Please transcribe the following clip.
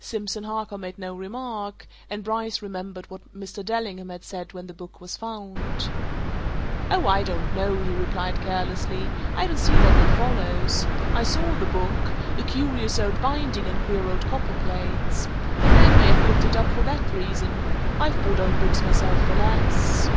Simpson Harker made no remark, and Bryce remembered what Mr. Dellingham had said when the book was found. "Oh, I don't know!" he replied carelessly. "I don't see that that follows. I saw the book a curious old binding and queer old copper plates. The man may have picked it up for that reason I've bought old books myself for less."